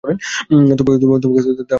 তোমাকেও তাহা বলিতে হইবে নাকি?